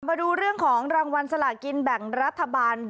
มาดูเรื่องของรางวัลสลากินแบ่งรัฐบาล